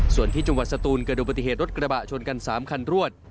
ส่วนที่จังหวัดสตูนเกิดดูปฏิเหตุรถกระบะชนกัน๓คันรวด